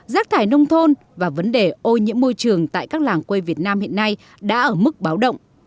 rác thải nông thôn và vấn đề ô nhiễm môi trường tại các làng quê việt nam hiện nay đã ở mức báo động